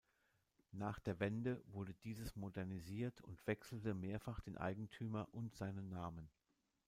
Nach der Wende wurde dieses modernisiert und wechselte mehrfach den Eigentümer und seinen Namen.